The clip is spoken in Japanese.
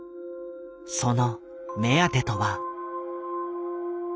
その目当てとは。